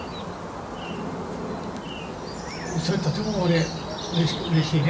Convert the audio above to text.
それとても俺うれしいね。